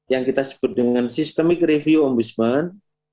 yang kita sebut dengan systemic review ombudsman